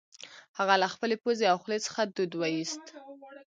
هغه له خپلې پوزې او خولې څخه دود وایوست